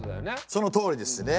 そのとおりですね。